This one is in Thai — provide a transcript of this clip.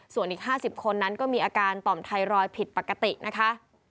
ส่วนอีก๕๐คนนั้นก็มีอาการต่อมไทรอยด์ผิดปกตินะคะ